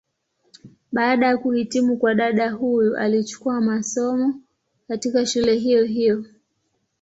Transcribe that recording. Baada ya kuhitimu kwa dada huyu alichukua masomo, katika shule hiyo hiyo.